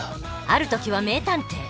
ある時は名探偵。